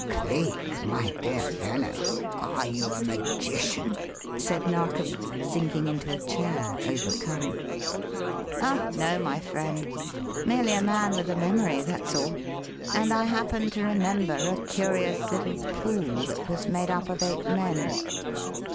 "Cleek, my dear fellow, are you a magician?" said Narkom, sinking into a chair, overcome. "Oh, no, my friend, merely a man with a memory, that's all; and I happen to remember a curious little 'pool' that was made up of eight men.